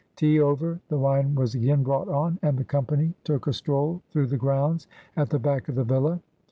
Tea over, the wine was again brought on, and the company took 9 i BIOGRAPHY OF a stroll through the grounds at the back of the villa.